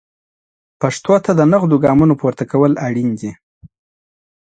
پښتو ته د نغدو ګامونو پورته کول اړین دي.